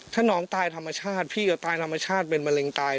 ถ้าน้องตายธรรมชาติพี่ก็ตายธรรมชาติเป็นมะเร็งตาย